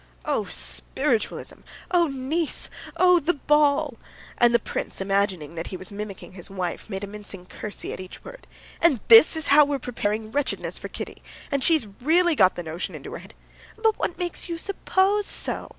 Ah! spiritualism! Ah! Nice! Ah! the ball!" And the prince, imagining that he was mimicking his wife, made a mincing curtsey at each word. "And this is how we're preparing wretchedness for Kitty; and she's really got the notion into her head...." "But what makes you suppose so?"